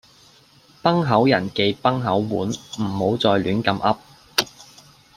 崩口人忌崩口碗，唔好再亂咁噏。